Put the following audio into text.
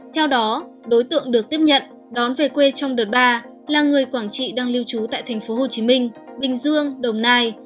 theo đó đối tượng được tiếp nhận đón về quê trong đợt ba là người quảng trị đang lưu trú tại tp hcm bình dương đồng nai